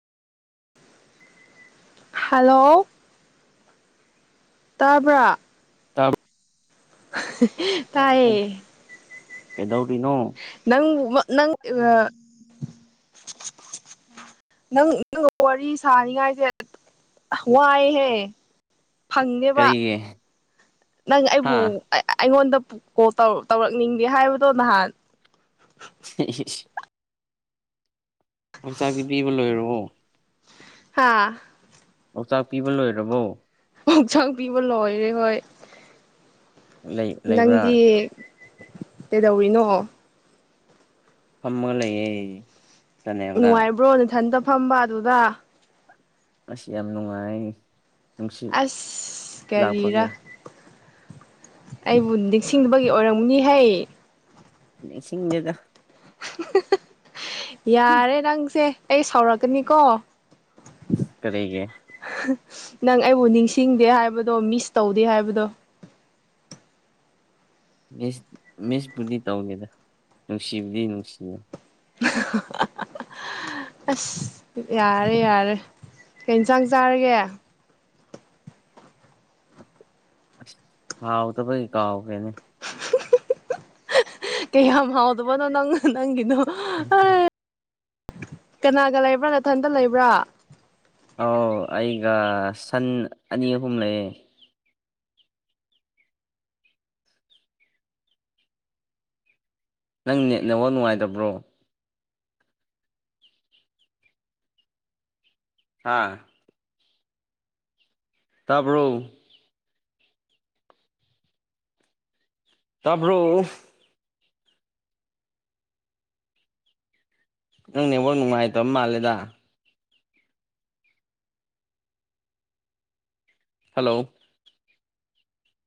Hello ꯇꯥꯕ꯭ꯔꯥ ꯇꯥ ꯇꯌꯦ ꯀꯩꯗꯧꯔꯤꯅꯣ ꯅꯪ ꯅꯪ ꯑ ꯅꯪ ꯅ ꯋꯥꯔꯤ ꯁꯥꯅꯤꯡꯉꯥꯏꯁꯦ ꯋꯥꯏꯍꯦ ꯐꯪꯕ ꯀꯔꯤꯒꯤ ꯅꯪ ꯍꯥ ꯑꯩꯕꯨ ꯑꯩꯉꯣꯟꯗ ꯀꯣ ꯇꯧꯔꯛꯅꯤꯡꯗꯦ ꯍꯥꯏꯕꯗꯣ ꯅꯍꯥꯟ [inaudible] ꯍꯛꯆꯥꯛꯗꯤ ꯄꯤꯕ ꯂꯣꯏꯔꯛꯑꯣ ꯍꯥꯥ ꯂꯥꯎꯇꯥꯛ ꯄꯤꯕ ꯂꯣꯏꯔꯕꯣ ꯍꯛꯆꯥꯡ ꯄꯤꯕ ꯂꯣꯏꯔꯦ ꯍꯣꯏ ꯂꯩ ꯂꯩꯕ꯭ꯔꯥ ꯅꯪꯗꯤ ꯀꯩꯗꯧꯔꯤꯅꯣ ꯐꯃ ꯂꯩꯦ ꯅꯨꯡꯉꯥꯏꯕ꯭ꯔꯣ ꯏꯊꯟꯇ ꯐꯝꯕ ꯑꯗꯨꯗ ꯑ ꯌꯥꯝ ꯅꯨꯡꯉꯥꯏ ꯅꯨꯡꯁꯤꯠ ꯑꯁ ꯀꯔꯤꯔ ꯂꯥꯛꯄꯒꯤ ꯑꯩꯕꯨ ꯅꯤꯡꯁꯤꯡꯕꯒꯤ ꯑꯣꯏꯔꯝꯒꯅꯤꯍꯩ ꯅꯤꯡꯁꯤꯡꯗꯦꯗ ꯌꯥꯔꯦ ꯅꯪꯁꯦ ꯑꯩ ꯁꯥꯎꯔꯛꯀꯅꯤꯀꯣ ꯀꯔꯤꯒꯤ ꯅꯪ ꯑꯩꯕꯨ ꯅꯤꯡꯁꯤꯡꯗꯦ ꯍꯥꯏꯕꯗꯣ ꯃꯤꯁ ꯇꯧꯗꯦ ꯍꯥꯏꯕꯗꯣ ꯃꯤꯁ ꯃꯤꯁꯄꯨꯗꯤ ꯇꯧꯋꯦꯗ ꯅꯨꯡꯁꯤꯕꯨꯗꯤ ꯅꯨꯡꯁꯤꯌꯦ ꯑꯁ ꯌꯥꯔꯦ ꯌꯥꯔꯦ ꯀꯩ ꯏꯟꯁꯥꯡ ꯆꯥꯔꯒꯦ ꯍꯥꯎꯇꯄꯩ ꯀꯥꯥꯎꯥꯒꯔ꯭ꯦ ꯅꯤ ꯀꯩꯌꯥꯝ ꯍꯥꯎꯗꯕꯅꯣ ꯅꯪꯅ ꯅꯪꯒꯤꯅꯣ ꯎ ꯐ ꯀꯅꯥꯒ ꯂꯩꯕ꯭ꯔꯥ ꯅꯊꯟꯇ ꯂꯩꯕ꯭ꯔꯥ ꯑꯥꯎ ꯑꯩꯒ ꯁꯟ ꯑꯅꯤ ꯑꯍꯨꯝ ꯂꯩꯌꯦ ꯅꯪ ꯅꯦꯠꯅꯋ ꯅꯨꯡꯉꯥꯏꯇꯕ꯭ꯔꯣ ꯑꯥ ꯇꯥꯕꯔꯣ꯫ ꯇꯕ꯭ꯔꯣ ꯅꯪ ꯅꯦꯠꯑꯣꯛ ꯅꯨꯡꯉꯥꯏꯇꯕ ꯃꯥꯜꯂꯦꯗ ꯍꯜꯂꯣ